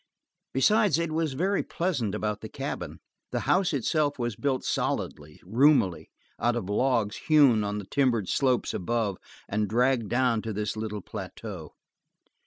Besides, it was very pleasant about the cabin. The house itself was built solidly, roomily, out of logs hewn on the timbered slopes above and dragged down to this little plateau.